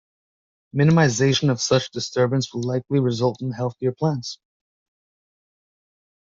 Minimization of such disturbance will likely result in healthier plants.